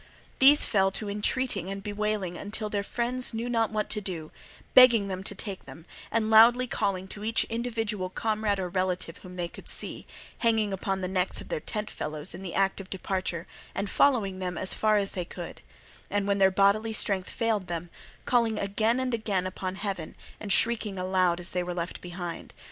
These fell to entreating and bewailing until their friends knew not what to do, begging them to take them and loudly calling to each individual comrade or relative whom they could see, hanging upon the necks of their tent fellows in the act of departure, and following as far as they could, and, when their bodily strength failed them, calling again and again upon heaven and shrieking aloud as they were left behind.